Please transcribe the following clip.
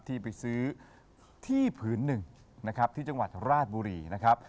ที่ไปซื้อที่ผืนหนึ่งนะครับที่จังหวัดราชบุรีนะครับ